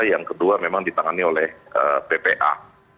yang kedua memang ditangani oleh ppa